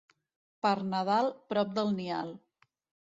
Per Nadal, prop del nial.